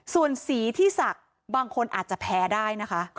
ส่วนสีที่ศักดิ์บางคนอาจจะแพ้ได้นะคะ